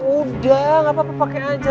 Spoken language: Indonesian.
udah gapapa pake aja